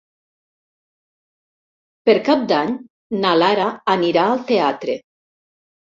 Per Cap d'Any na Lara anirà al teatre.